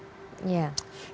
itu ajaran yang terhadap kita